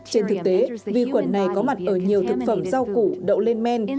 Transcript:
trên thực tế vi khuẩn này có mặt ở nhiều thực phẩm rau củ đậu lên men